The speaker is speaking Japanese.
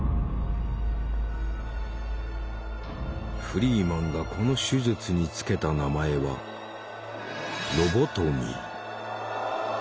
フリーマンがこの手術に付けた名前は「ロボトミー」。